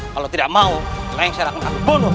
kalau tidak mau lengser akan kami bunuh